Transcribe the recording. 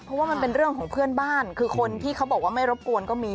เพราะว่ามันเป็นเรื่องของเพื่อนบ้านคือคนที่เขาบอกว่าไม่รบกวนก็มี